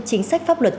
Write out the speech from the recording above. chính sách pháp luật